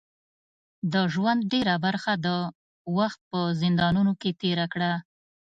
د ژوند ډیره برخه د وخت په زندانونو کې تېره کړه.